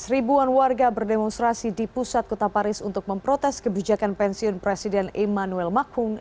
seribuan warga berdemonstrasi di pusat kota paris untuk memprotes kebijakan pensiun presiden emmanuel mackung